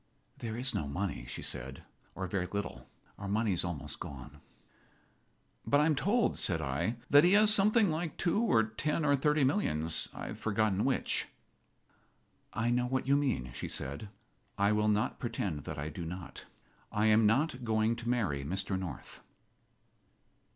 "There is no money," she said, "or very little. Our money is almost gone." "But I am told," said I, "that he has something like two or ten or thirty millions I have forgotten which." "I know what you mean," she said. "I will not pretend that I do not. I am not going to marry Mr. North."